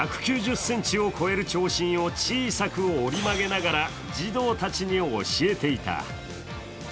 １９０ｃｍを超える長身を小さく折り曲げながら、児童たちに教えていた。